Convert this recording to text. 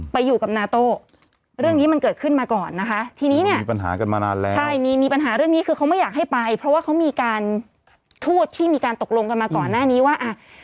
ไปอยู่กับนาโต้เรื่องนี้มันเกิดขึ้นมาก่อนนะคะทีนี้เนี่ยมีปัญหากันมานานแล้วใช่มีมีปัญหาเรื่องนี้คือเขาไม่อยากให้ไปเพราะว่าเขามีการพูดที่มีการตกลงกันมาก่อนหน้านี้ว่าอ่ะ